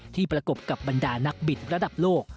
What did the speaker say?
ประกบกับบรรดานักบิดระดับโลก